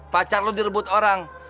pacar lo direbut orang